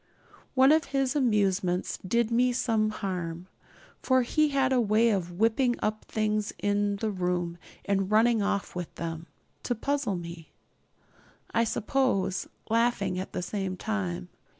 One of his amusements did me some harm; for he had a way of whipping up things in the room and running off with them to puzzle me, I suppose, laughing all the time.